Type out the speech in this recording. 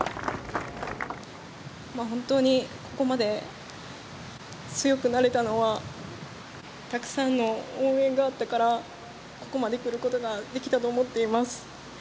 本当にここまで強くなれたのはたくさんの応援があったからここまで来ることができたと思っています。